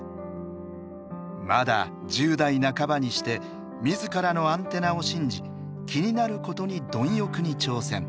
まだ１０代半ばにして自らのアンテナを信じ気になることに貪欲に挑戦。